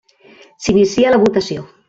S'inicia la votació.